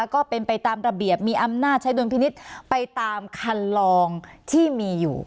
ก็เป็นไปตามระเบียบมีอำนาจใช้ดุลพินิษฐ์ไปตามคันลองที่มีอยู่